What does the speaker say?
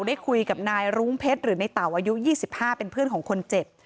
ได้คุยกับนายรุ้งเพชรหรือในเต่าอายุ๒๕เป็นเพื่อนของคนเจ็บ